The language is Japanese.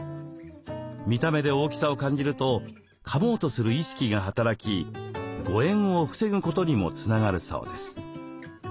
見た目で大きさを感じるとかもうとする意識が働き誤えんを防ぐことにもつながるそうです。